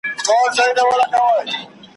تاریخي کور پخوانی وو د نسلونو `